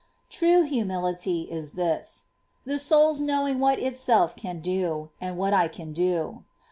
True humility is this : the soul's knowing what itself can do, and what I can do.